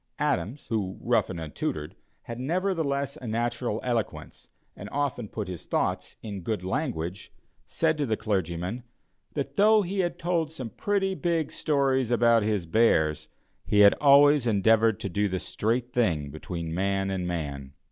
Adams, who, rough and untutored, had nevertheless, a natural eloquence, and often put his thoughts in good language, said to the clergyman, that though he had told some pretty big stories about his bears, he had always endeavored to do the straight thing between man and man.